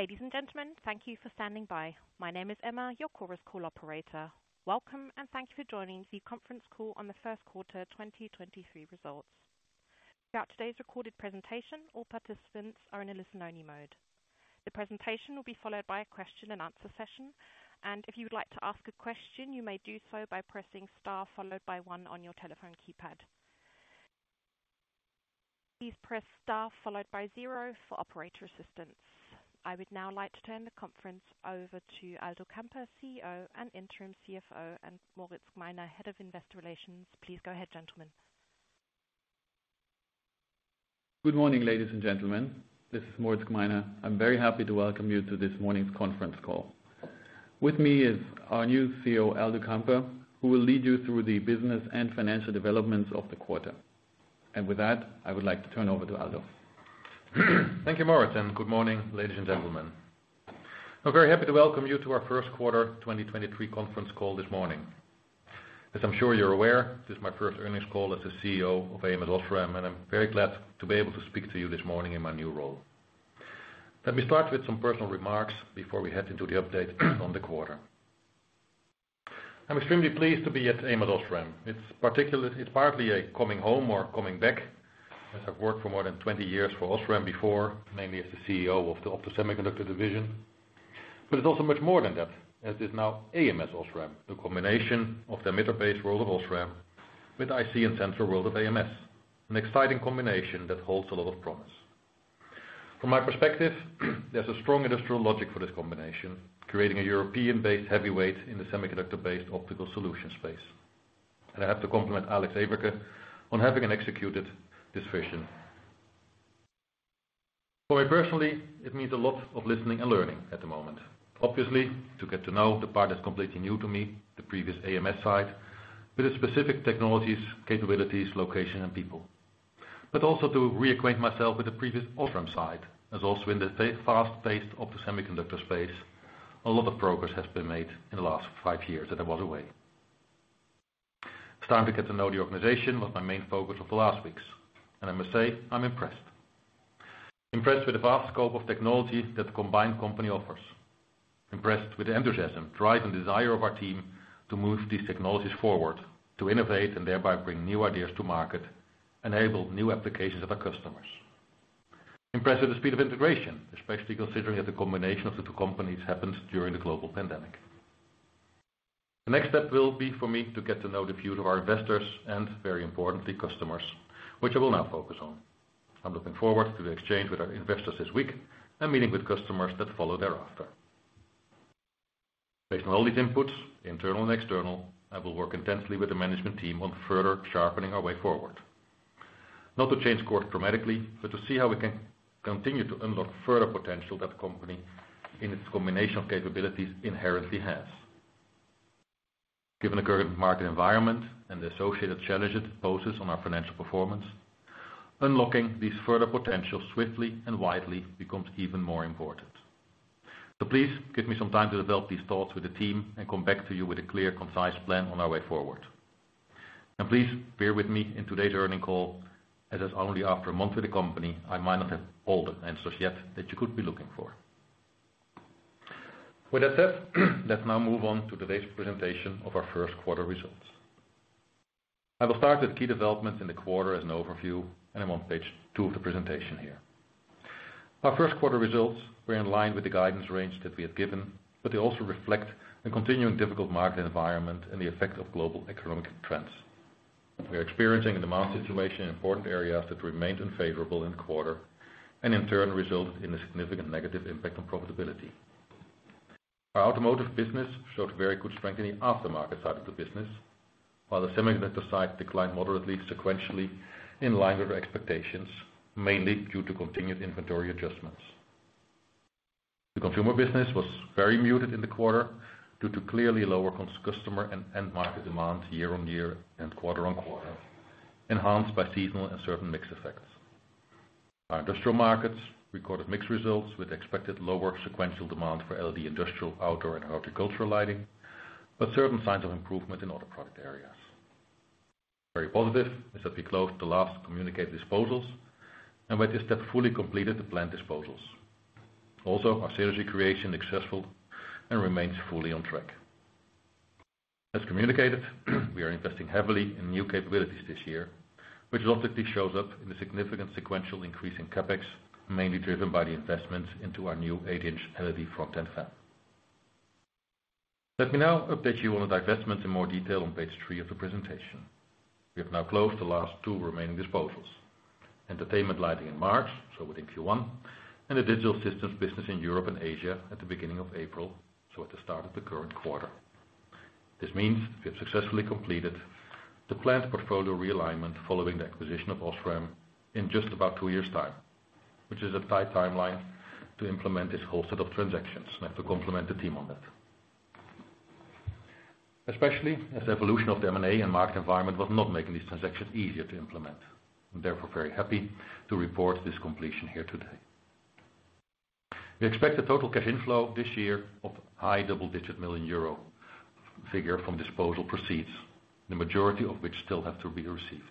Ladies and gentlemen, thank you for standing by. My name is Emma, your Chorus Call operator. Welcome, and thank you for joining the conference call on the 1st Quarter 2023 results. Throughout today's recorded presentation, all participants are in a listen-only mode. The presentation will be followed by a question and answer session. If you would like to ask a question, you may do so by pressing Star 1 on your telephone keypad. Please press Star 0 for operator assistance. I would now like to turn the conference over to Aldo Kamper, CEO and Interim CFO, and Moritz Gmeiner, Head of Investor Relations. Please go ahead, gentlemen. Good morning, ladies and gentlemen. This is Moritz Gmeiner. I'm very happy to welcome you to this morning's conference call. With me is our new CEO, Aldo Kamper, who will lead you through the business and financial developments of the quarter. With that, I would like to turn over to Aldo. Thank you, Moritz, and good morning, ladies and gentlemen. I'm very happy to welcome you to our First Quarter 2023 Conference Call this morning. As I'm sure you're aware, this is my first earnings call as the CEO of ams OSRAM, and I'm very glad to be able to speak to you this morning in my new role. Let me start with some personal remarks before we head into the update on the quarter. I'm extremely pleased to be at ams OSRAM. It's partly a coming home or coming back, as I've worked for more than 20 years for OSRAM before, mainly as the CEO of the Optical Semiconductor Division. But it's also much more than that, as it's now ams OSRAM, the combination of the emitter-based world of OSRAM with IC and sensor world of ams, an exciting combination that holds a lot of promise. Impressed with the enthusiasm, drive, and desire of our team to move these technologies forward, to innovate and thereby bring new ideas to market, enable new applications of our customers. Impressed with the speed of integration, especially considering that the combination of the two companies happened during the global pandemic. The next step will be for me to get to know the view of our investors and, very importantly, customers, which I will now focus on. I'm looking forward to the exchange with our investors this week and meeting with customers that follow thereafter. Based on all these inputs, internal and external, I will work intensely with the management team on further sharpening our way forward. Not to change course dramatically, but to see how we can continue to unlock further potential that the company, in its combination of capabilities, inherently has. Given the current market environment and the associated challenges it poses on our financial performance, unlocking this further potential swiftly and widely becomes even more important. Please give me some time to develop these thoughts with the team and come back to you with a clear, concise plan on our way forward. Please bear with me in today's earnings call, as it's only after a month with the company, I might not have all the answers yet that you could be looking for. With that said, let's now move on to today's presentation of our first quarter results. I will start with key developments in the quarter as an overview. I'm on page 2 of the presentation here. Our first quarter results were in line with the guidance range that we had given, they also reflect the continuing difficult market environment and the effect of global economic trends. We are experiencing the demand situation in important areas that remained unfavorable in the quarter and in turn resulted in a significant negative impact on profitability. Our automotive business showed very good strengthening of the market side of the business, while the semiconductor side declined moderately, sequentially, in line with our expectations, mainly due to continued inventory adjustments. The consumer business was very muted in the quarter due to clearly lower customer and end market demand year-over-year and quarter-on-quarter, enhanced by seasonal and certain mix effects. Our industrial markets recorded mixed results with expected lower sequential demand for LED industrial, outdoor, and agricultural lighting, certain signs of improvement in other product areas. Very positive is that we closed the last communicated disposals and with this step fully completed the planned disposals. Also, our synergy creation successful and remains fully on track. As communicated, we are investing heavily in new capabilities this year, which logically shows up in the significant sequential increase in CapEx, mainly driven by the investments into our new 8-inch LED front-end fab. Let me now update you on the divestments in more detail on page 3 of the presentation. We have now closed the last 2 remaining disposals. Entertainment lighting in March, so within Q1, and the Digital Systems business in Europe and Asia at the beginning of April, so at the start of the current quarter. This means we have successfully completed the planned portfolio realignment following the acquisition of OSRAM in just about 2 years' time, which is a tight timeline to implement this whole set of transactions. I have to compliment the team on that. Especially as the evolution of the M&A and market environment was not making these transactions easier to implement. I'm therefore very happy to report this completion here today. We expect a total cash inflow this year of high double-digit million euro figure from disposal proceeds, the majority of which still have to be received.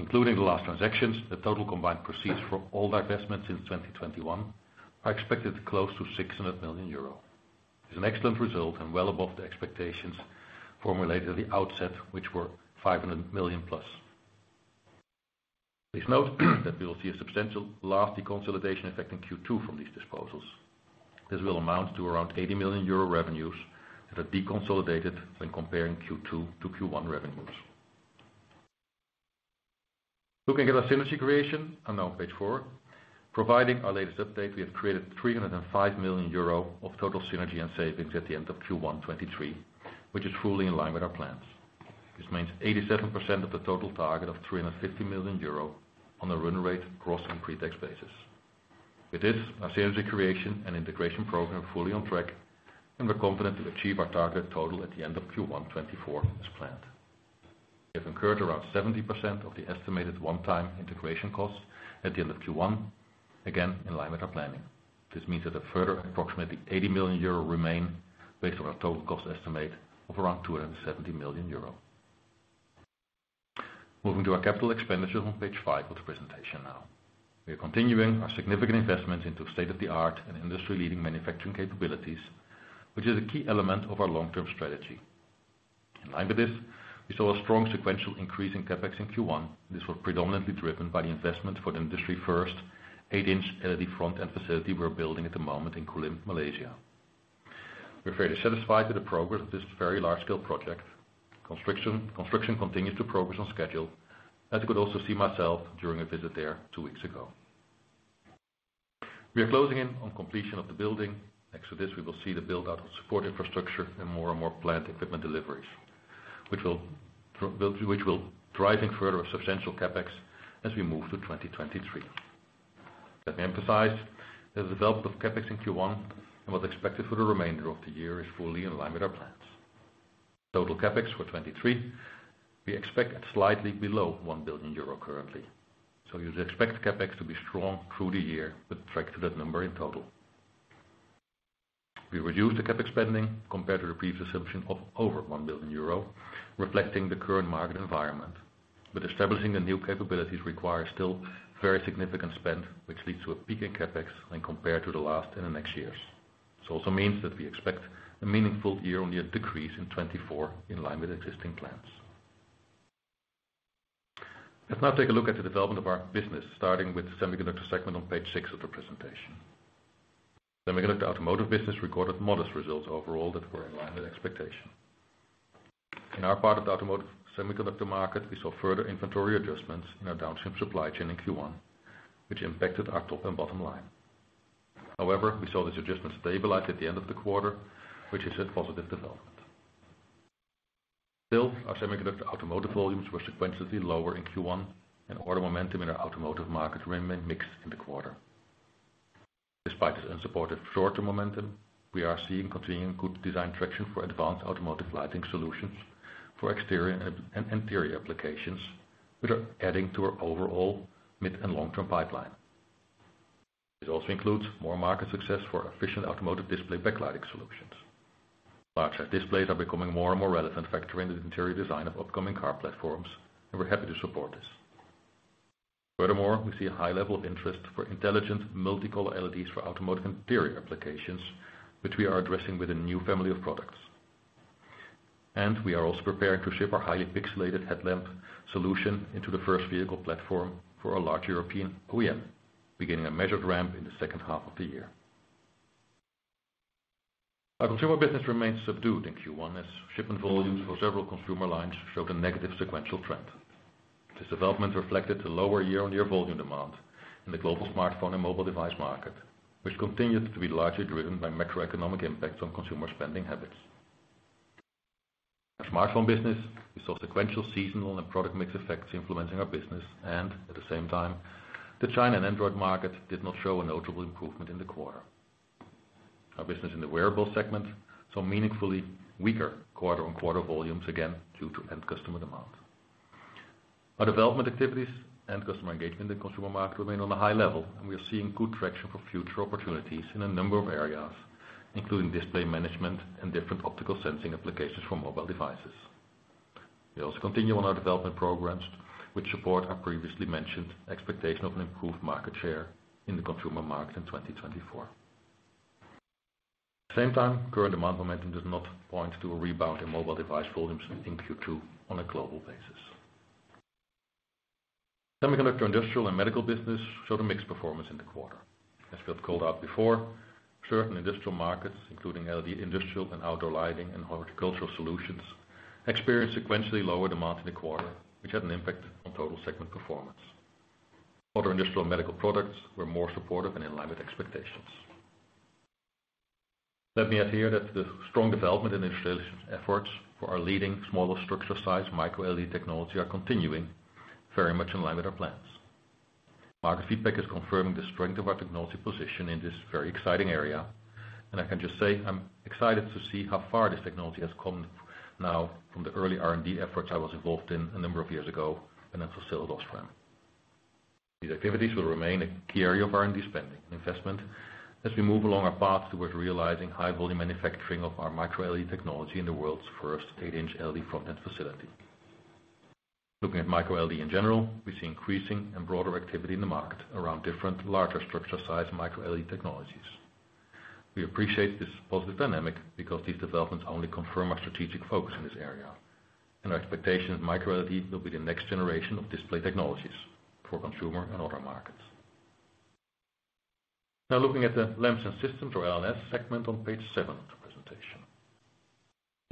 Including the last transactions, the total combined proceeds from all divestments since 2021 are expected to close to 600 million euro. It's an excellent result and well above the expectations formulated at the outset, which were 500 million-plus. Please note that we will see a substantial last deconsolidation effect in Q2 from these disposals. This will amount to around 80 million euro revenues that are deconsolidated when comparing Q2 to Q1 revenues. Looking at our synergy creation on now page 4, providing our latest update, we have created 305 million euro of total synergy and savings at the end of Q1 2023, which is fully in line with our plans. This means 87% of the total target of 350 million euro on a run rate gross and pre-tax basis. With this, our synergy creation and integration program are fully on track, and we're confident to achieve our target total at the end of Q1 2024 as planned. We have incurred around 70% of the estimated one-time integration costs at the end of Q1, again, in line with our planning. This means that a further approximately 80 million euro remain based on our total cost estimate of around 270 million euro. Moving to our capital expenditures on page 5 of the presentation now. We are continuing our significant investment into state-of-the-art and industry-leading manufacturing capabilities, which is a key element of our long-term strategy. In line with this, we saw a strong sequential increase in CapEx in Q1. This was predominantly driven by the investment for the industry-first 8-inch LED front end facility we're building at the moment in Kulim, Malaysia. We're fairly satisfied with the progress of this very large-scale project. Construction continues to progress on schedule, as you could also see myself during a visit there two weeks ago. We are closing in on completion of the building. Next to this, we will see the build-out of support infrastructure and more and more plant equipment deliveries, which will driving further substantial CapEx as we move to 2023. Let me emphasize that the development of CapEx in Q1 and what's expected for the remainder of the year is fully in line with our plans. Total CapEx for 2023, we expect it slightly below 1 billion euro currently. You'd expect CapEx to be strong through the year but track to that number in total. We reduced the CapEx spending compared to the previous assumption of over 1 billion euro, reflecting the current market environment. Establishing the new capabilities requires still very significant spend, which leads to a peak in CapEx when compared to the last and the next years. This also means that we expect a meaningful year-on-year decrease in 2024 in line with existing plans. Let's now take a look at the development of our business, starting with the Semiconductors segment on page 6 of the presentation. Semiconductors automotive business recorded modest results overall that were in line with expectation. In our part of the automotive Semiconductors market, we saw further inventory adjustments in our downstream supply chain in Q1, which impacted our top and bottom line. We saw these adjustments stabilize at the end of the quarter, which is a positive development. Our Semiconductors automotive volumes were sequentially lower in Q1, and order momentum in our automotive market remained mixed in the quarter. Despite this unsupported shorter momentum, we are seeing continuing good design traction for advanced automotive lighting solutions for exterior and interior applications, which are adding to our overall mid and long-term pipeline. This also includes more market success for efficient automotive display backlighting solutions. Large displays are becoming more and more relevant factor in the interior design of upcoming car platforms, and we're happy to support this. Furthermore, we see a high level of interest for intelligent multicolor LEDs for automotive interior applications, which we are addressing with a new family of products. We are also preparing to ship our highly pixelated headlamp solution into the first vehicle platform for a large European OEM, beginning a measured ramp in the second half of the year. Our consumer business remained subdued in Q1 as shipment volumes for several consumer lines showed a negative sequential trend. This development reflected the lower year-on-year volume demand in the global smartphone and mobile device market, which continued to be largely driven by macroeconomic impacts on consumer spending habits. Our smartphone business saw sequential, seasonal, and product mix effects influencing our business, and at the same time, the China and Android market did not show a notable improvement in the quarter. Our business in the wearables segment saw meaningfully weaker quarter-on-quarter volumes, again due to end customer demand. Our development activities and customer engagement in the consumer market remain on a high level, and we are seeing good traction for future opportunities in a number of areas, including display management and different optical sensing applications for mobile devices. We also continue on our development programs, which support our previously mentioned expectation of an improved market share in the consumer market in 2024. At the same time, current demand momentum does not point to a rebound in mobile device volumes in Q2 on a global basis. Semiconductors, industrial, and medical business showed a mixed performance in the quarter. As Phil called out before, certain industrial markets, including LED industrial and outdoor lighting and horticultural solutions, experienced sequentially lower demand in the quarter, which had an impact on total segment performance. Other industrial and medical products were more supportive and in line with expectations. Let me add here that the strong development in industrialization efforts for our leading small structure size microLED technology are continuing very much in line with our plans. Market feedback is confirming the strength of our technology position in this very exciting area, and I can just say, I'm excited to see how far this technology has come now from the early R&D efforts I was involved in a number of years ago, and I'm still thrilled for that. These activities will remain a key area of R&D spending investment as we move along our path towards realizing high volume manufacturing of our microLED technology in the world's first 8-inch LED front-end facility. Looking at microLED in general, we see increasing and broader activity in the market around different larger structure size microLED technologies. We appreciate this positive dynamic because these developments only confirm our strategic focus in this area, and our expectation of microLED will be the next generation of display technologies for consumer and other markets. Looking at the Lamps & Systems or LNS segment on page 7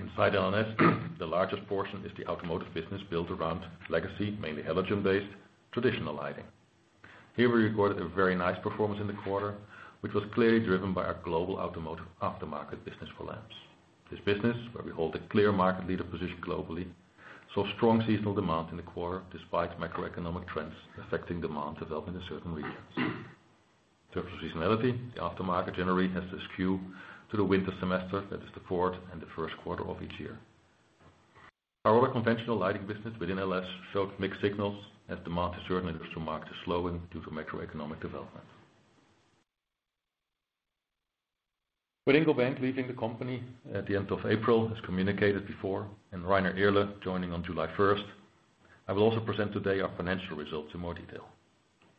of the presentation. Inside LNS, the largest portion is the automotive business built around legacy, mainly halogen-based traditional lighting. Here we recorded a very nice performance in the quarter, which was clearly driven by our global automotive aftermarket business for lamps. This business, where we hold a clear market leader position globally, saw strong seasonal demand in the quarter despite macroeconomic trends affecting demand development in certain regions. In terms of seasonality, the aftermarket generally has to skew to the winter semester, that is the 4th and the 1st quarter of each year. Our other conventional lighting business within LNS showed mixed signals as demand is certainly to market is slowing due to macroeconomic development. With Ingo Bank leaving the company at the end of April, as communicated before, and Rainer Irle joining on July 1st, I will also present today our financial results in more detail.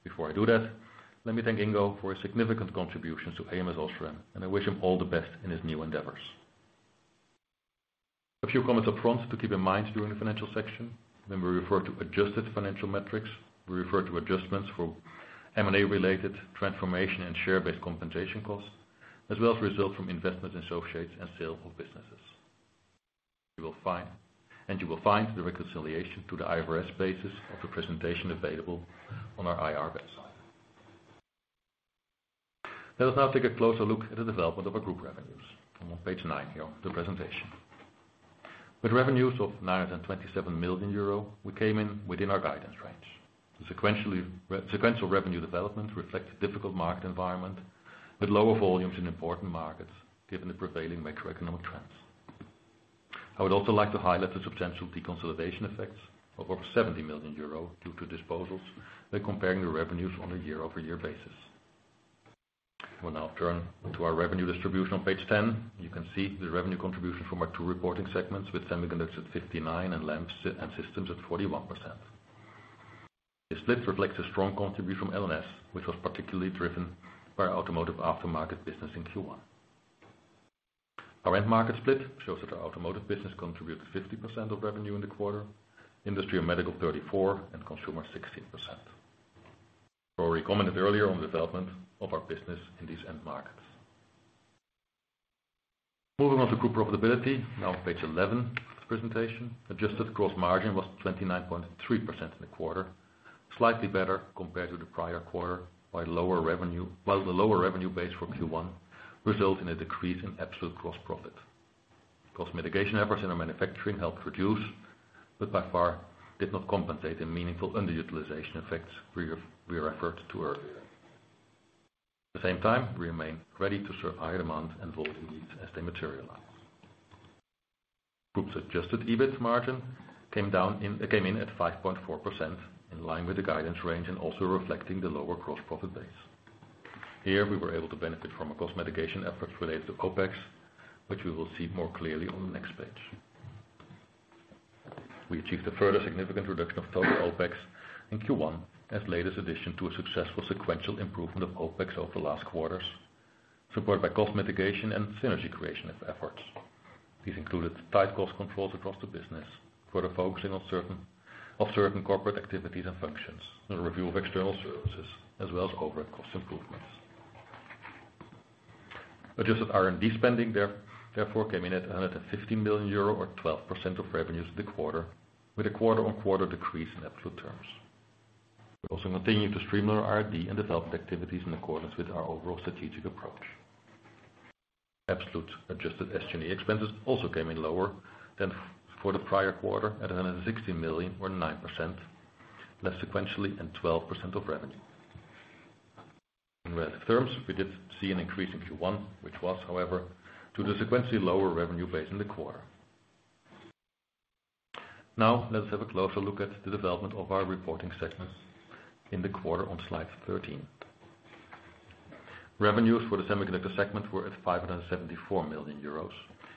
Before I do that, let me thank Ingo for his significant contributions to ams OSRAM, and I wish him all the best in his new endeavors. A few comments up front to keep in mind during the financial section. When we refer to adjusted financial metrics, we refer to adjustments for M&A related transformation and share-based compensation costs, as well as results from investment associates and sale of businesses. You will find the reconciliation to the IFRS basis of the presentation available on our IR website. Let us now take a closer look at the development of our group revenues on page 9 here of the presentation. With revenues of 927 million euro, we came in within our guidance range. The sequential revenue development reflects a difficult market environment with lower volumes in important markets given the prevailing macroeconomic trends. I would also like to highlight the substantial deconsolidation effects of over 70 million euro due to disposals when comparing the revenues on a year-over-year basis. We'll now turn to our revenue distribution on page 10. You can see the revenue contribution from our two reporting segments with Semiconductors at 59 and Lamps and Systems at 41%. This split reflects a strong contribution from LNS, which was particularly driven by our automotive aftermarket business in Q1. Our end market split shows that our automotive business contributed 50% of revenue in the quarter, Industry and Medical 34, and Consumer 16%. We already commented earlier on the development of our business in these end markets. Moving on to group profitability, now on page 11 of the presentation. Adjusted gross margin was 29.3% in the quarter, slightly better compared to the prior quarter by lower revenue, while the lower revenue base for Q1 result in a decrease in absolute gross profit. Cost mitigation efforts in our manufacturing helped reduce, but by far did not compensate the meaningful underutilization effects we referred to earlier. At the same time, we remain ready to serve higher demand and volume needs as they materialize. Group's adjusted EBIT margin came in at 5.4% in line with the guidance range and also reflecting the lower gross profit base. Here we were able to benefit from our cost mitigation efforts related to OpEx, which we will see more clearly on the next page. We achieved a further significant reduction of total OpEx in Q1 as latest addition to a successful sequential improvement of OpEx over the last quarters, supported by cost mitigation and synergy creation of efforts. These included tight cost controls across the business, further focusing on certain corporate activities and functions, and a review of external services, as well as overhead cost improvements. Adjusted R&D spending therefore came in at 115 million euro or 12% of revenues in the quarter, with a quarter on quarter decrease in absolute terms. We also continued to streamline our R&D and development activities in accordance with our overall strategic approach. Absolute adjusted SG&A expenses also came in lower than for the prior quarter at 160 million or 9% less sequentially and 12% of revenue. In relative terms, we did see an increase in Q1, which was, however, due to sequentially lower revenue base in the quarter. Let's have a closer look at the development of our reporting segments in the quarter on slide 13. Revenues for the Semiconductors segment were at 574 million euros.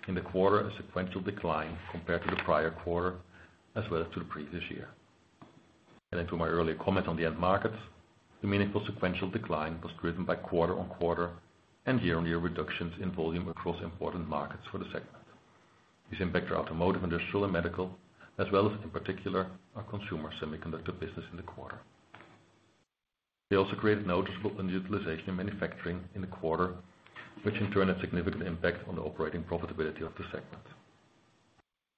In the quarter, a sequential decline compared to the prior quarter, as well as to the previous year. To my earlier comment on the end markets, the meaningful sequential decline was driven by quarter-over-quarter and year-over-year reductions in volume across important markets for the segment. This impact our Automotive, Industrial, and Medical, as well as, in particular, our Consumer Semiconductor business in the quarter. We also created noticeable underutilization in manufacturing in the quarter, which in turn had significant impact on the operating profitability of the segment.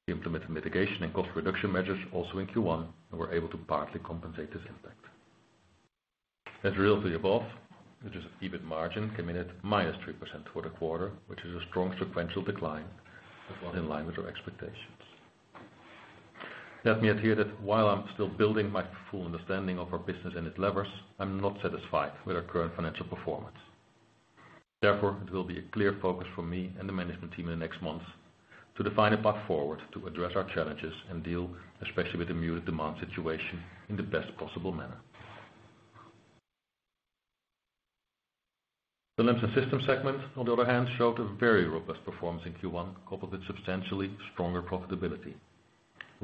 We implemented mitigation and cost reduction measures also in Q1 and were able to partly compensate this impact. As a result of the above, adjusted EBIT margin came in at -3% for the quarter, which is a strong sequential decline, but one in line with our expectations. Let me add here that while I'm still building my full understanding of our business and its levers, I'm not satisfied with our current financial performance. It will be a clear focus for me and the management team in the next months to define a path forward to address our challenges and deal especially with the muted demand situation in the best possible manner. The Lamps & Systems segment, on the other hand, showed a very robust performance in Q1, coupled with substantially stronger profitability.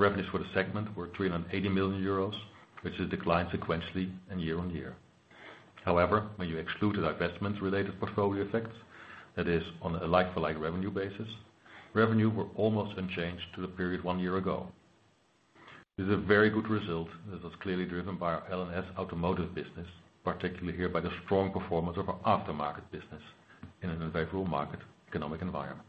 Revenues for the segment were 380 million euros, which has declined sequentially and year-on-year. When you exclude the divestment-related portfolio effects, that is on a like-for-like revenue basis, revenue were almost unchanged to the period one year ago. This is a very good result that was clearly driven by our L&S automotive business, particularly here by the strong performance of our aftermarket business in an unfavorable market economic environment.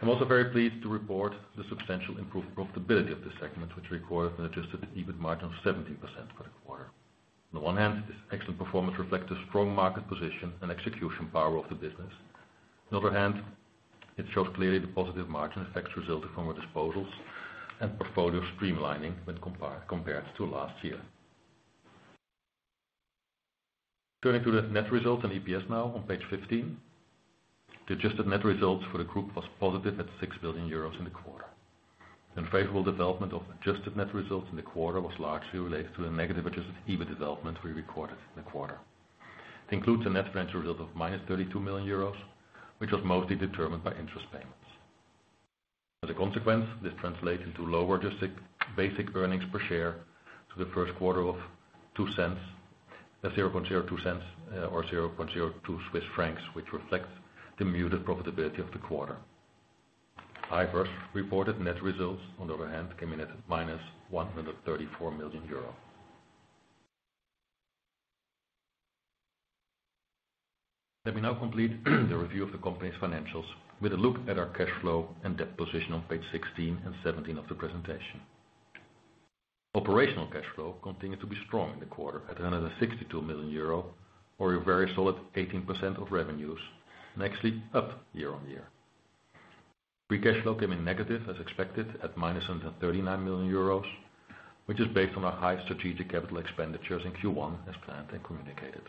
I'm also very pleased to report the substantial improved profitability of this segment, which recorded an adjusted EBIT margin of 17% for the quarter. On the one hand, this excellent performance reflects the strong market position and execution power of the business. On the other hand, it shows clearly the positive margin effects resulted from our disposals and portfolio streamlining when compared to last year. Turning to the net results and EPS now on page 15. The adjusted net results for the group was positive at 6 billion euros in the quarter. The unfavorable development of adjusted net results in the quarter was largely related to the negative adjusted EBIT development we recorded in the quarter. It includes a net financial result of minus 32 million euros, which was mostly determined by interest payments. As a consequence, this translates into lower logistic basic earnings per share to the first quarter of 0.02, EUR 0.02, or 0.02 Swiss francs, which reflects the muted profitability of the quarter. IFRS reported net results, on the other hand, came in at minus 134 million euro. Let me now complete the review of the company's financials with a look at our cash flow and debt position on page 16 and 17 of the presentation. Operational cash flow continued to be strong in the quarter at another 62 million euro or a very solid 18% of revenues and actually up year-over-year. Free cash flow came in negative as expected at -139 million euros, which is based on our high strategic CapEx in Q1 as planned and communicated.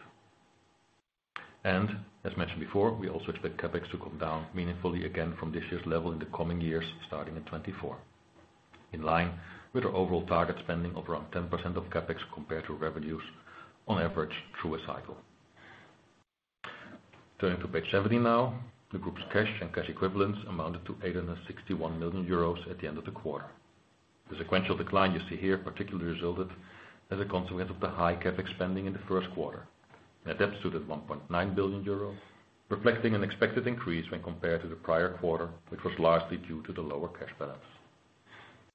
As mentioned before, we also expect CapEx to come down meaningfully again from this year's level in the coming years, starting in 2024. In line with our overall target spending of around 10% of CapEx compared to revenues on average through a cycle. Turning to page 17 now. The group's cash and cash equivalents amounted to 861 million euros at the end of the quarter. The sequential decline you see here particularly resulted as a consequence of the high CapEx spending in the first quarter. Net debt stood at 1.9 billion euros, reflecting an expected increase when compared to the prior quarter, which was largely due to the lower cash balance.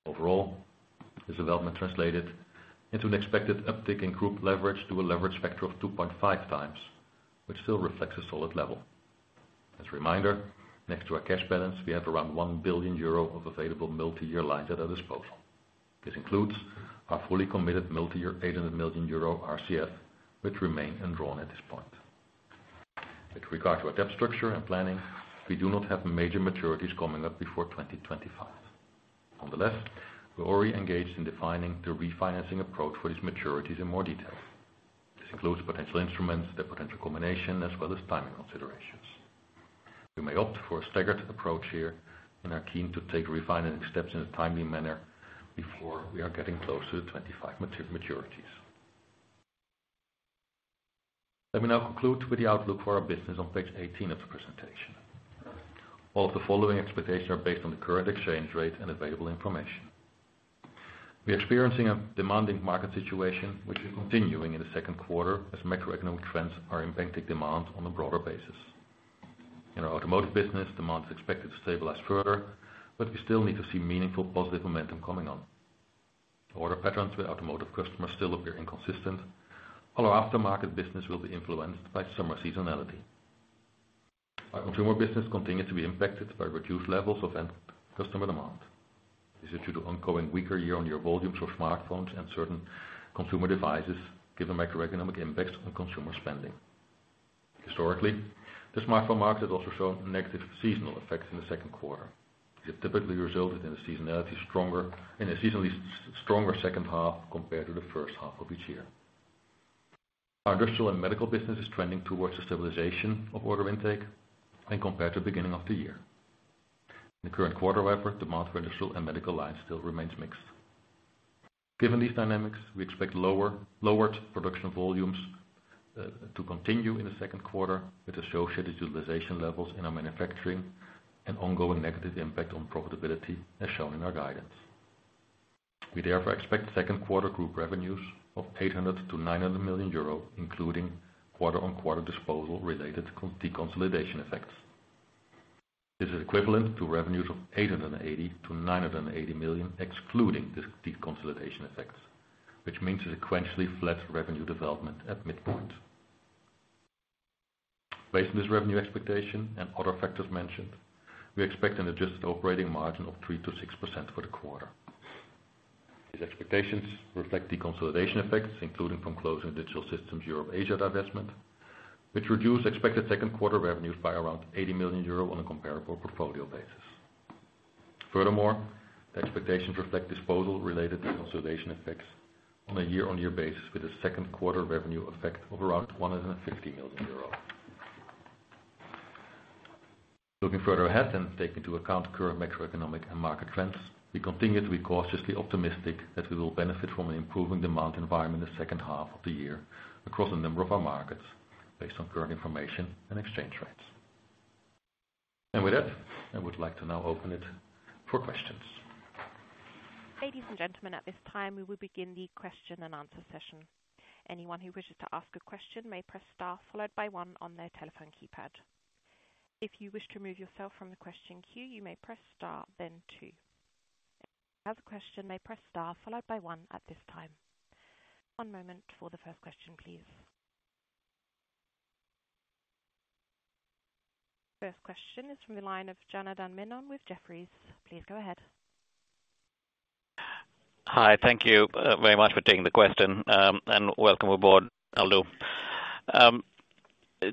Overall, this development translated into an expected uptick in group leverage to a leverage factor of 2.5 times, which still reflects a solid level. As a reminder, next to our cash balance, we have around 1 billion euro of available multi-year lines at our disposal. This includes our fully committed multi-year 800 million euro RCF, which remain undrawn at this point. With regard to our debt structure and planning, we do not have major maturities coming up before 2025. We're already engaged in defining the refinancing approach for these maturities in more detail. This includes potential instruments, their potential combination, as well as timing considerations. We may opt for a staggered approach here and are keen to take refinancing steps in a timely manner before we are getting close to the 25 maturities. Let me now conclude with the outlook for our business on page 18 of the presentation. All of the following expectations are based on the current exchange rate and available information. We're experiencing a demanding market situation, which is continuing in the second quarter as macroeconomic trends are impacting demand on a broader basis. In our automotive business, demand is expected to stabilize further, but we still need to see meaningful positive momentum coming on. Order patterns with automotive customers still appear inconsistent. Our aftermarket business will be influenced by summer seasonality. Our consumer business continues to be impacted by reduced levels of end customer demand. This is due to ongoing weaker year-on-year volumes of smartphones and certain consumer devices, given macroeconomic impacts on consumer spending. Historically, the smartphone market has also shown negative seasonal effects in the second quarter. It typically resulted in a seasonality stronger, in a seasonally stronger second half compared to the first half of each year. Our industrial and medical business is trending towards the stabilization of order intake and compared to beginning of the year. In the current quarter, however, demand for industrial and medical lines still remains mixed. Given these dynamics, we expect lowered production volumes to continue in the second quarter with associated utilization levels in our manufacturing and ongoing negative impact on profitability as shown in our guidance. We therefore expect second quarter group revenues of 800 million to 900 million euro, including quarter-on-quarter disposal related deconsolidation effects. This is equivalent to revenues of 880 million to 980 million, excluding the deconsolidation effects, which means sequentially flat revenue development at midpoint. Based on this revenue expectation and other factors mentioned, we expect an adjusted operating margin of 3%-6% for the quarter. These expectations reflect deconsolidation effects, including from closing Digital Systems Europe/Asia divestment, which reduced expected second quarter revenues by around 80 million euro on a comparable portfolio basis. The expectations reflect disposal related to consolidation effects on a year-on-year basis with a second quarter revenue effect of around 150 million euros. Looking further ahead and take into account current macroeconomic and market trends, we continue to be cautiously optimistic that we will benefit from an improving demand environment in the second half of the year across a number of our markets based on current information and exchange rates. With that, I would like to now open it for questions. Ladies and gentlemen, at this time, we will begin the question and answer session. Anyone who wishes to ask a question may press star followed by one on their telephone keypad. If you wish to remove yourself from the question queue, you may press star then two. Anyone who has a question may press star followed by one at this time. One moment for the first question, please. First question is from the line of Janardan Menon with Jefferies. Please go ahead. Hi. Thank you very much for taking the question, and welcome aboard, Aldo.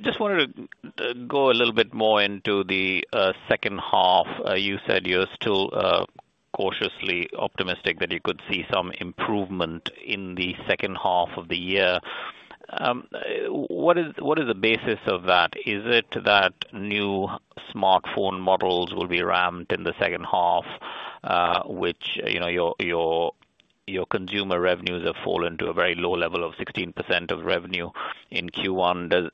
Just wanted to go a little bit more into the second half. You said you're still cautiously optimistic that you could see some improvement in the second half of the year. What is the basis of that? Is it that new smartphone models will be ramped in the second half, which, you know, your consumer revenues have fallen to a very low level of 16% of revenue in Q1.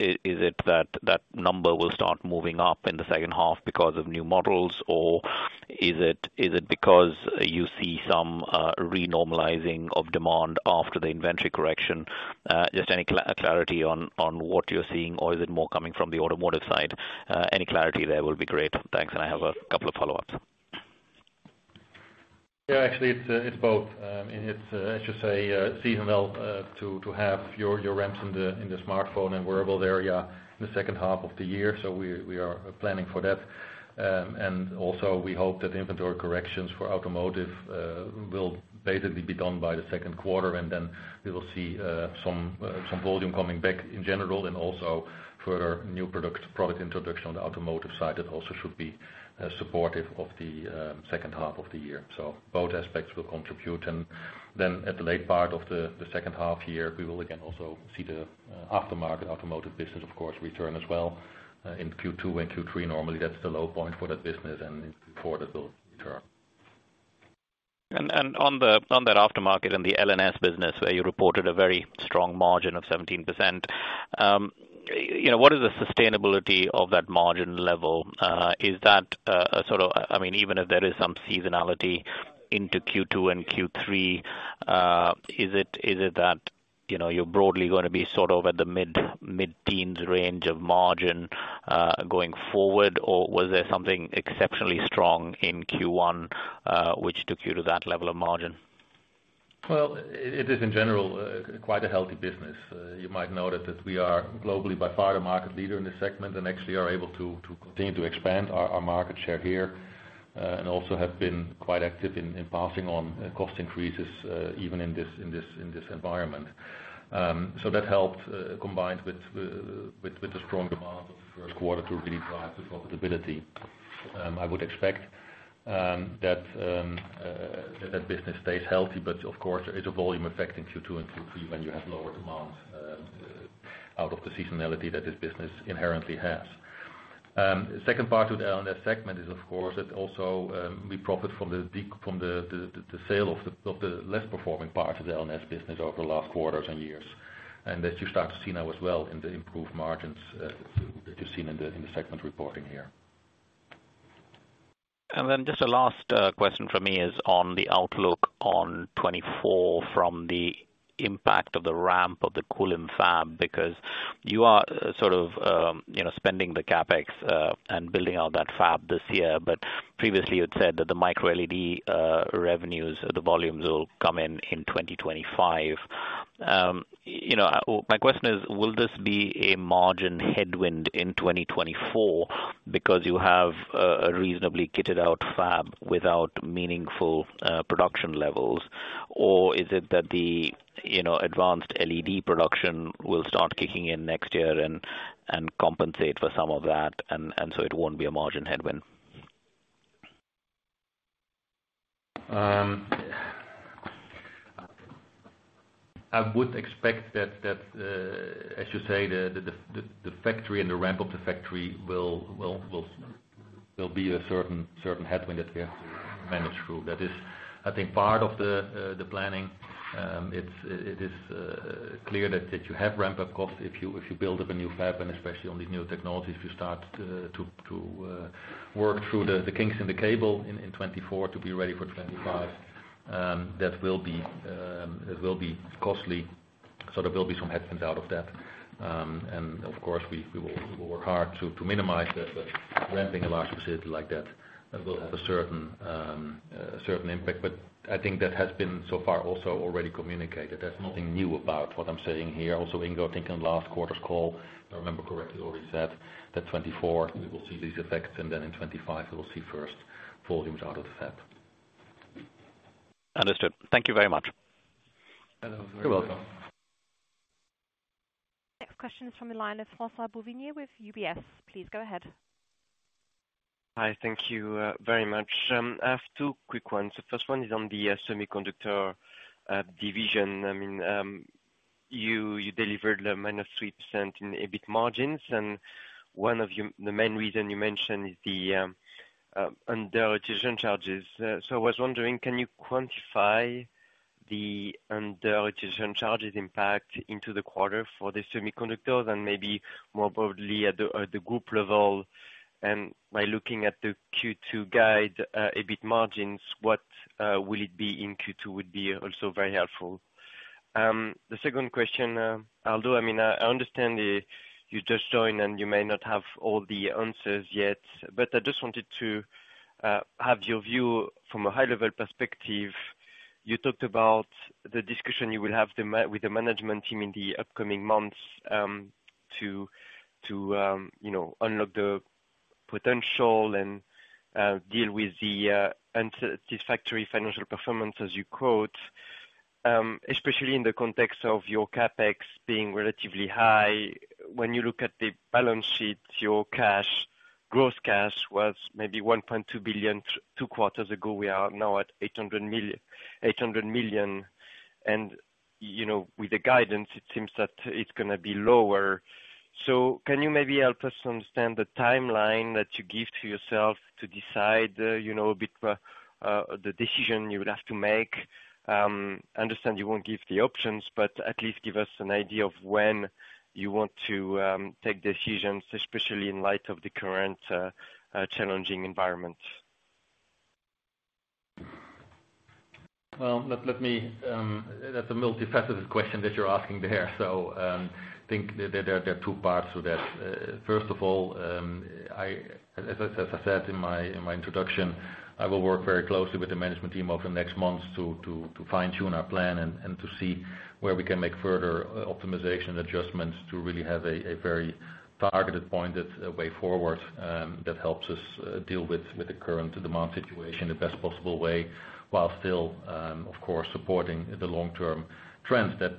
Is it that number will start moving up in the second half because of new models, or is it because you see some renormalizing of demand after the inventory correction? Just any clarity on what you're seeing, or is it more coming from the automotive side? Any clarity there will be great. Thanks. I have a couple of follow-ups. Actually it's both. It's as you say, seasonal, to have your ramps in the smartphone and wearable area in the second half of the year. We are planning for that. Also we hope that inventory corrections for automotive will basically be done by the 2nd quarter, we will see some volume coming back in general and also further new product introduction on the automotive side that also should be supportive of the second half of the year. Both aspects will contribute. At the late part of the second half year, we will again also see the aftermarket automotive business of course return as well in Q2 and Q3. Normally, that's the low point for that business and affordable return. On the, on that aftermarket in the LNS business where you reported a very strong margin of 17%, you know, what is the sustainability of that margin level? Is that a sort of, I mean, even if there is some seasonality into Q2 and Q3, is it that, you know, you're broadly gonna be sort of at the mid-teens range of margin, going forward, or was there something exceptionally strong in Q1, which took you to that level of margin? Well, it is in general quite a healthy business. You might notice that we are globally by far the market leader in this segment and actually are able to continue to expand our market share here, and also have been quite active in passing on cost increases even in this environment. That helped, combined with the strong demand of the first quarter to really drive the profitability. I would expect that business stays healthy. Of course there is a volume effect in Q2 and Q3 when you have lower demand out of the seasonality that this business inherently has. Second part to the LNS segment is of course that also, we profit from the sale of the less performing parts of the LNS business over the last quarters and years. That you start to see now as well in the improved margins, that you've seen in the segment reporting here. Just a last question from me is on the outlook on 2024 from the impact of the ramp of the Kulim fab, because you are sort of, you know, spending the CapEx and building out that fab this year. Previously you had said that the microLED revenues, the volumes will come in in 2025. You know, my question is, will this be a margin headwind in 2024 because you have a reasonably kitted out fab without meaningful production levels? Is it that the, you know, advanced LED production will start kicking in next year and compensate for some of that, so it won't be a margin headwind? I would expect that, as you say, the factory and the ramp of the factory will be a certain headwind that we have to manage through. That is, I think, part of the planning. It is clear that you have ramp-up costs if you build up a new fab, and especially on these new technologies, you start to work through the kinks in the cable in 2024 to be ready for 2025. That will be costly. There will be some headwinds out of that. Of course we will work hard to minimize that. Ramping a large facility like that will have a certain impact. I think that has been so far also already communicated. There's nothing new about what I'm saying here. Ingo, I think on last quarter's call, if I remember correctly, already said that 2024 we will see these effects, and then in 2025 we will see first volumes out of the fab. Understood. Thank you very much. You're welcome. Questions from the line of Francois-Xavier Bouvignies with UBS. Please go ahead. Hi. Thank you very much. I have two quick ones. The first one is on the Semiconductors division. I mean, you delivered a -3% in EBIT margins, and one of the main reason you mentioned is the underutilization charges. I was wondering, can you quantify the underutilization charges impact into the quarter for the Semiconductors and maybe more broadly at the group level, and by looking at the Q2 guide, EBIT margins, what will it be in Q2 would be also very helpful. The second question, Although, I mean, I understand, you just joined, and you may not have all the answers yet, but I just wanted to have your view from a high level perspective. You talked about the discussion you will have with the management team in the upcoming months, to, you know, unlock the potential and deal with the unsatisfactory financial performance as you quote, especially in the context of your CapEx being relatively high. When you look at the balance sheet, your cash, gross cash was maybe 1.2 billion two quarters ago. We are now at 800 million. You know, with the guidance, it seems that it's gonna be lower. Can you maybe help us understand the timeline that you give to yourself to decide, you know, a bit the decision you would have to make? I understand you won't give the options, but at least give us an idea of when you want to take decisions, especially in light of the current challenging environment. Well, let me, that's a multifaceted question that you're asking there. Think that there are two parts to that. First of all, as I said in my introduction, I will work very closely with the management team over the next months to fine-tune our plan and to see where we can make further optimization adjustments to really have a very targeted point of way forward that helps us deal with the current demand situation the best possible way, while still, of course, supporting the long-term trends that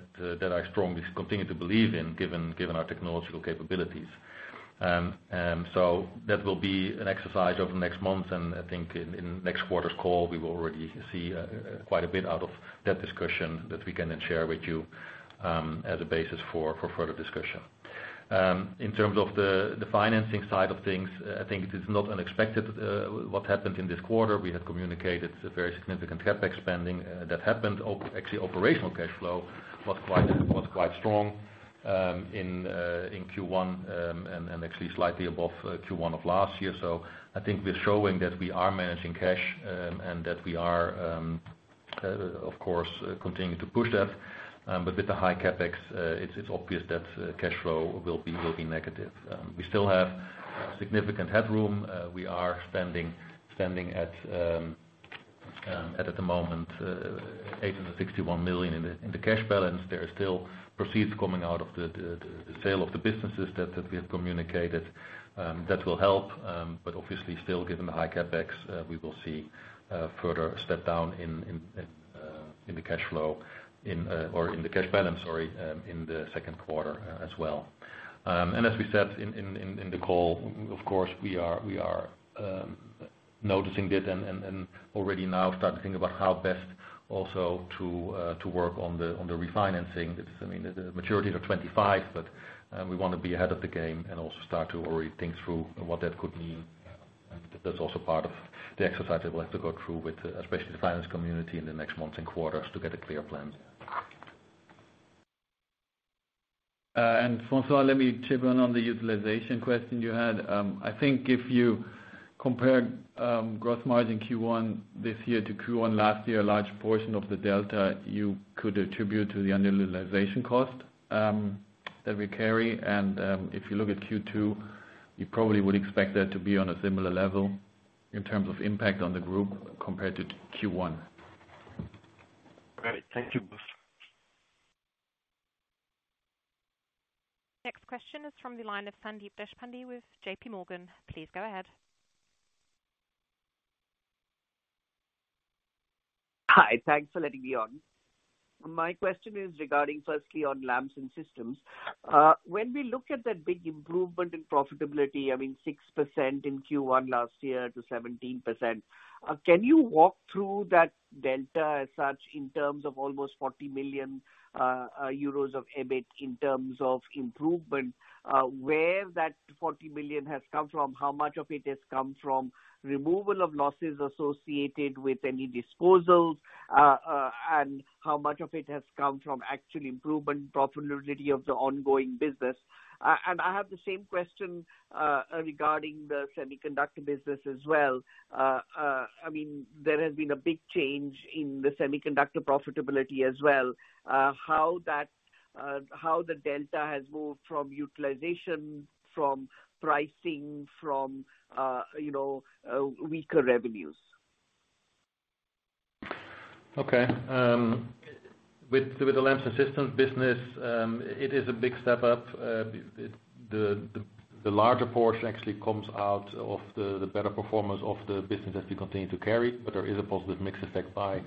I strongly continue to believe in given our technological capabilities. That will be an exercise over the next months, and I think in next quarter's call, we will already see quite a bit out of that discussion that we can then share with you as a basis for further discussion. In terms of the financing side of things, I think it is not unexpected what happened in this quarter. We had communicated a very significant CapEx spending that happened. Actually, operational cash flow was quite strong in Q1, and actually slightly above Q1 of last year. I think we're showing that we are managing cash, and that we are, of course, continuing to push that. With the high CapEx, it's obvious that cash flow will be negative. We still have significant headroom. We are standing at the moment, 861 million in the cash balance. There are still proceeds coming out of the sale of the businesses that we have communicated that will help. But obviously, still given the high CapEx, we will see further step down in the cash flow or in the cash balance, sorry, in the second quarter as well. And as we said in the call, of course, we are noticing it and already now starting to think about how best also to work on the refinancing. It's, I mean, the maturity of 2025, but we want to be ahead of the game and also start to already think through what that could mean. That's also part of the exercise that we'll have to go through with, especially the finance community in the next months and quarters to get a clear plan. Francois, let me chip in on the utilization question you had. I think if you compare, gross margin Q1 this year to Q1 last year, a large portion of the delta you could attribute to the underutilization cost, that we carry. If you look at Q2, you probably would expect that to be on a similar level in terms of impact on the group compared to Q1. Great. Thank you both. Next question is from the line of Sandeep Deshpande with JP Morgan. Please go ahead. Hi. Thanks for letting me on. My question is regarding firstly on Lamps & Systems. When we look at that big improvement in profitability, I mean 6% in Q1 last year to 17%, can you walk through that delta as such in terms of almost 40 million euros of EBIT in terms of improvement, where that 40 million has come from? How much of it has come from removal of losses associated with any disposals? How much of it has come from actual improvement profitability of the ongoing business? I have the same question regarding the Semiconductors business as well. I mean, there has been a big change in the Semiconductors profitability as well. How that, how the delta has moved from utilization, from pricing, from, you know, weaker revenues. Okay. With the Lamps & Systems business, it is a big step up. The larger portion actually comes out of the better performance of the business that we continue to carry, but there is a positive mix effect by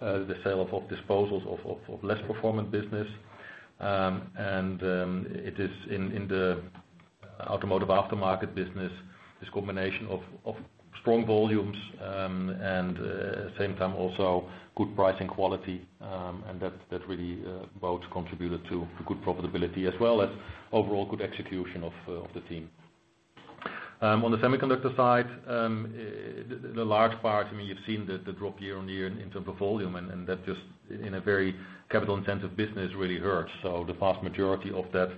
the sale of disposals of less performant business. And it is in the Automotive aftermarket business is combination of strong volumes, and same time also good pricing quality. That really both contributed to a good profitability as well as overall good execution of the team. On the Semiconductor side, the large part, I mean, you've seen the drop year-on-year in terms of volume, and that just in a very capital-intensive business really hurts. The vast majority of that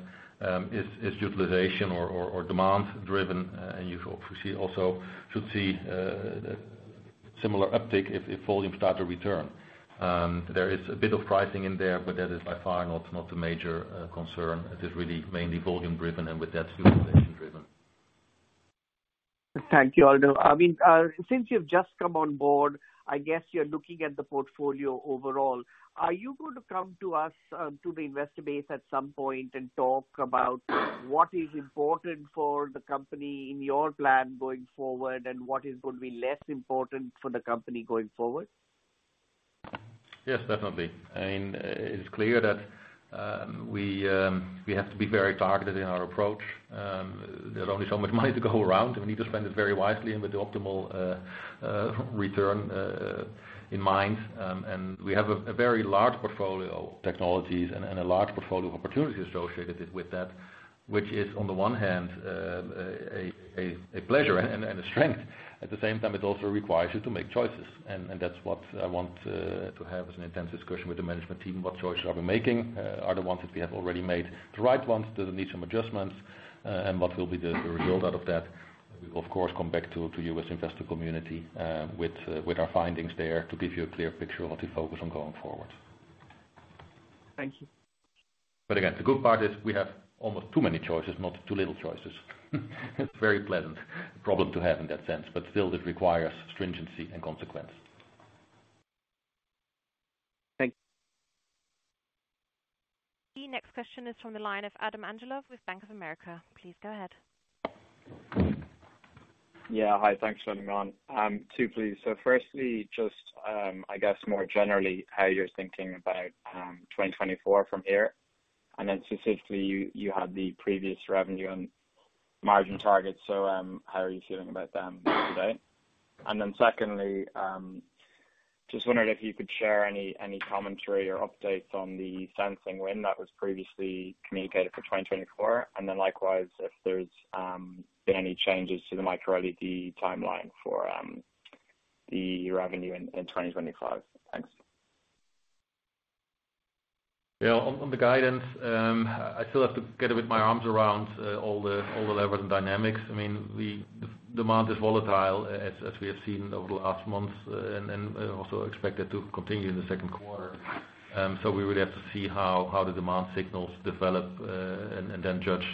is utilization or demand driven. And you should see similar uptick if volumes start to return. There is a bit of pricing in there, but that is by far not a major concern. It is really mainly volume driven, and with that utilization driven. Thank you, Aldo. I mean, since you've just come on board, I guess you're looking at the portfolio overall. Are you going to come to us, to the investor base at some point and talk about what is important for the company in your plan going forward, and what is going to be less important for the company going forward? Yes, definitely. I mean, it is clear that we have to be very targeted in our approach. There's only so much money to go around, and we need to spend it very wisely and with the optimal return in mind. We have a very large portfolio of technologies and a large portfolio of opportunities associated with that, which is on the one hand a pleasure and a strength. At the same time, it also requires you to make choices. That's what I want to have as an intense discussion with the management team, what choices are we making? Are the ones that we have already made the right ones? Do they need some adjustments? What will be the result out of that? We will, of course, come back to you as investor community, with our findings there to give you a clear picture of what we focus on going forward. Thank you. Again, the good part is we have almost too many choices, not too little choices. It's a very pleasant problem to have in that sense, but still, it requires stringency and consequence. Thank you. The next question is from the line of Adam Androv with Bank of America. Please go ahead. Hi, thanks for letting me on. Two please. Firstly, just, I guess more generally how you're thinking about 2024 from here. Specifically, you had the previous revenue and margin targets, how are you feeling about them today? Secondly, just wondering if you could share any commentary or updates on the sensing win that was previously communicated for 2024. Likewise, if there's been any changes to the microLED timeline for the revenue in 2025. Thanks. Yeah. On, on the guidance, I still have to get with my arms around all the levers and dynamics. I mean, demand is volatile as we have seen over the last months, and also expected to continue in the second quarter. We would have to see how the demand signals develop, and then judge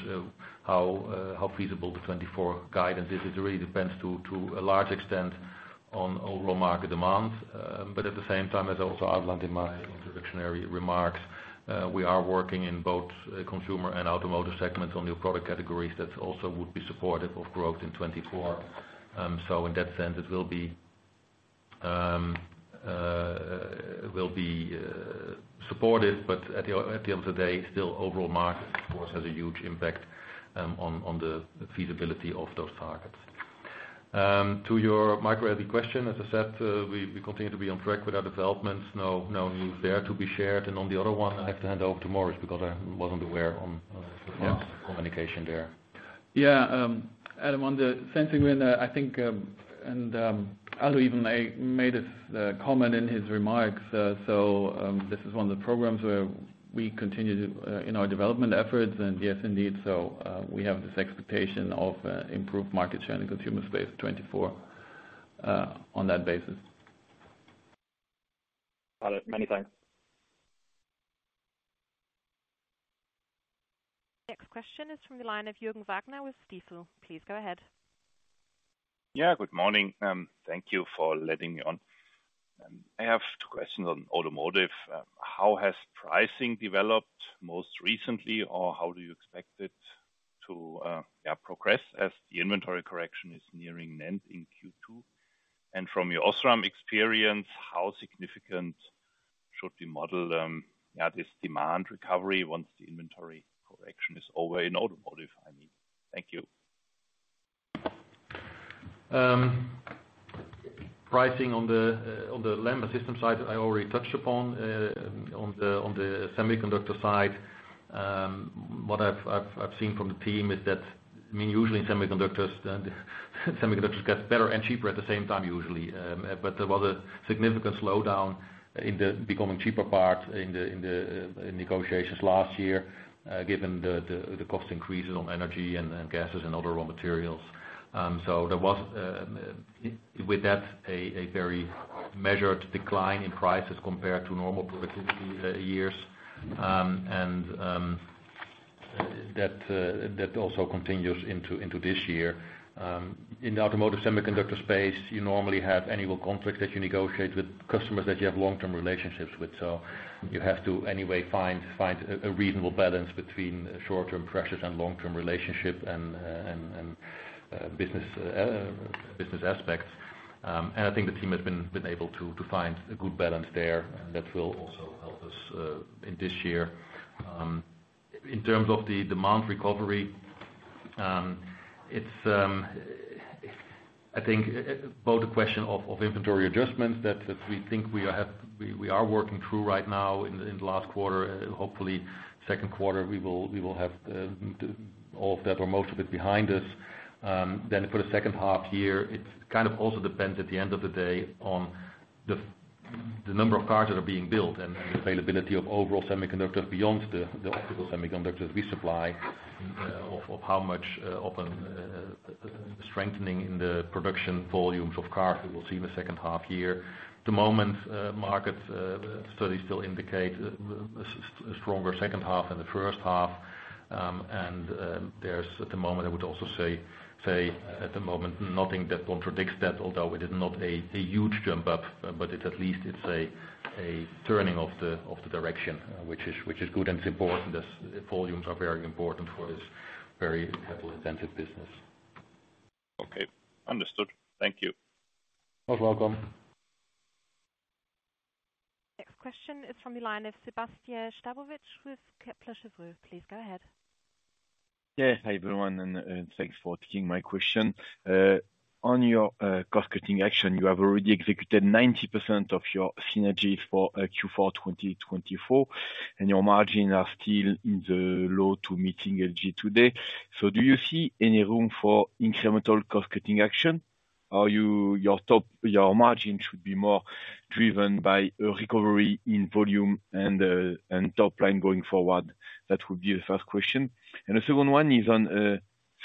how feasible the 2024 guidance is. It really depends to a large extent on overall market demand. At the same time, as I also outlined in my introductory remarks, we are working in both consumer and automotive segments on new product categories that also would be supportive of growth in 2024. In that sense, it will be supportive. At the end of the day, still overall market, of course, has a huge impact on the feasibility of those targets. To your microLED question, as I said, we continue to be on track with our developments. No news there to be shared. On the other one, I have to hand over to Maurice because I wasn't aware on communication there. Adam, on the sensing win, I think, and Aldo even made a comment in his remarks. This is one of the programs where we continue to in our development efforts. Yes, indeed, we have this expectation of improved market share in the consumer space 24 on that basis. Got it. Many thanks. Next question is from the line of Jürgen Wagner with Stifel. Please go ahead. Yeah, good morning. Thank you for letting me on. I have two questions on automotive. How has pricing developed most recently, or how do you expect it to progress as the inventory correction is nearing an end in Q2? From your OSRAM experience, how significant should we model this demand recovery once the inventory correction is over in automotive, I mean? Thank you. Pricing on the Lamps & Systems side I already touched upon. On the Semiconductors side, what I've seen from the team is that, I mean, usually Semiconductors get better and cheaper at the same time usually. There was a significant slowdown in the becoming cheaper part in the negotiations last year, given the cost increases on energy and gases and other raw materials. There was with that a very measured decline in prices compared to normal productivity years. That also continues into this year. In the automotive Semiconductors space, you normally have annual contracts that you negotiate with customers that you have long-term relationships with. You have to anyway find a reasonable balance between short-term pressures and long-term relationship and business aspects. I think the team has been able to find a good balance there, and that will also help us in this year. In terms of the demand recovery, it's, I think both a question of inventory adjustments that we think we are working through right now in the last quarter. Hopefully second quarter we will have all of that or most of it behind us. Then for the second half year, it kind of also depends at the end of the day on the number of cars that are being built and the availability of overall semiconductors beyond the optical semiconductors we supply, of how much of an strengthening in the production volumes of cars we will see in the second half year. At the moment, market studies still indicate a stronger second half than the first half. There's at the moment I would also say at the moment, nothing that contradicts that, although it is not a huge jump up, but it at least it's a turning of the direction, which is good and it's important as volumes are very important for this very capital intensive business. Okay. Understood. Thank you. Most welcome. Next question is from the line of Sébastien Sztabowicz with Kepler Cheuvreux. Please go ahead. Yes. Hi, everyone, and thanks for taking my question. On your cost-cutting action, you have already executed 90% of your synergies for Q4 2024, and your margin are still in the low to mid today. Do you see any room for incremental cost-cutting action? Your margin should be more driven by a recovery in volume and top-line going forward? That would be the first question. The second one is on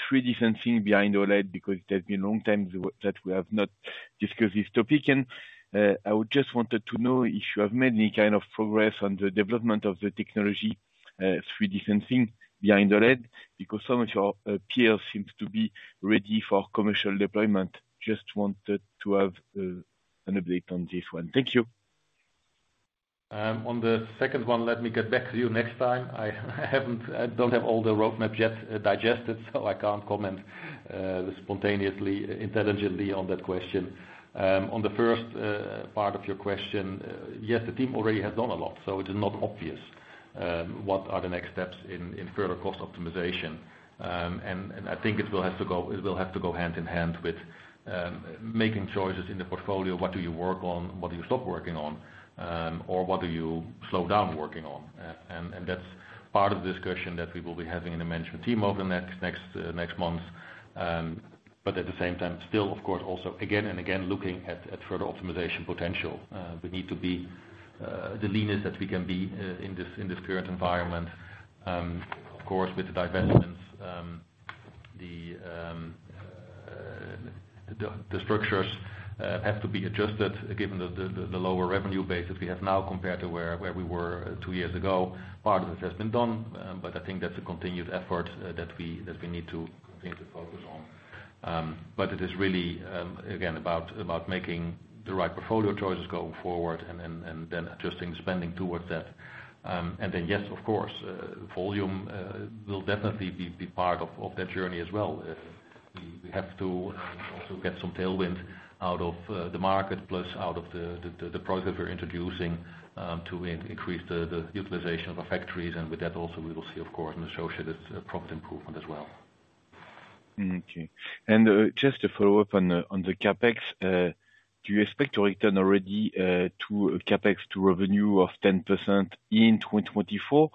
three different thing behind OLED because it has been a long time that we have not discussed this topic. I would just wanted to know if you have made any kind of progress on the development of the technology three different thing behind OLED because some of your peers seems to be ready for commercial deployment. Just wanted to have, an update on this one. Thank you. On the second one, let me get back to you next time. I don't have all the roadmap yet digested. I can't comment spontaneously, intelligently on that question. On the first part of your question, yes, the team already has done a lot. It is not obvious what are the next steps in further cost optimization. I think it will have to go hand in hand with making choices in the portfolio. What do you work on? What do you stop working on? Or what do you slow down working on? That's part of the discussion that we will be having in the management team over the next months. At the same time, still of course, also again and again looking at further optimization potential. We need to be the leanest that we can be in this current environment. Of course, with the divestments, the structures have to be adjusted given the lower revenue base that we have now compared to where we were two years ago. Part of this has been done, but I think that's a continuous effort that we need to continue to focus on. It is really again, about making the right portfolio choices going forward and then adjusting spending towards that. Then yes, of course, volume will definitely be part of that journey as well. We have to also get some tailwind out of the market plus out of the products we're introducing, to increase the utilization of our factories. With that also we will see, of course, an associated profit improvement as well. Okay. Just to follow up on the CapEx, do you expect to return already to CapEx to revenue of 10% in 2024?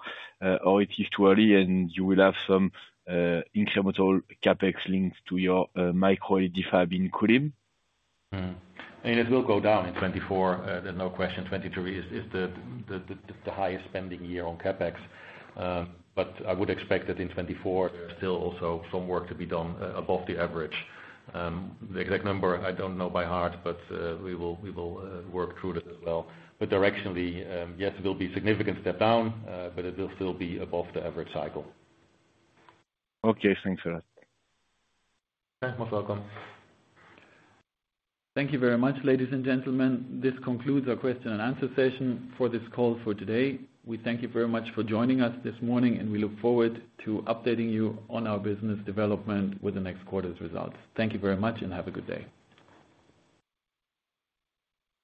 Or it is too early and you will have some incremental CapEx linked to your microLED fab in Kulim? It will go down in 2024. There's no question. 2023 is the highest spending year on CapEx. I would expect that in 2024 there's still also some work to be done above the average. The exact number I don't know by heart, but we will work through that as well. Directionally, yes, it will be significant step down, but it will still be above the average cycle. Okay. Thanks for that. You're most welcome. Thank you very much, ladies and gentlemen. This concludes our question and answer session for this call for today. We thank you very much for joining us this morning, and we look forward to updating you on our business development with the next quarter's results. Thank you very much and have a good day.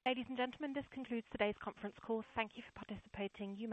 Ladies and gentlemen, this concludes today's conference call. Thank you for participating. You